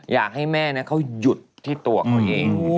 อยากให้แม่เขาหยุดที่ตัวเขาเอง